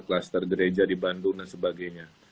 kluster gereja di bandung dan sebagainya